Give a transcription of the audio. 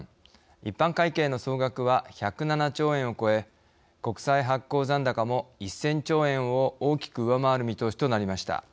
一般会計の総額は１０７兆円を超え国債発行残高も１０００兆円を大きく上回る見通しとなりました。